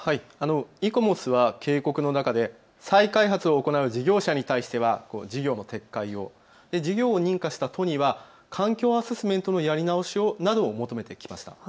イコモスは警告の中で再開発を行う事業者に対しては事業の撤回を、事業を認可にした都には環境アセスメントのやり直しなどを求めてきました。